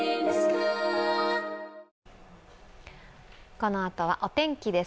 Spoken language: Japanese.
このあとはお天気です。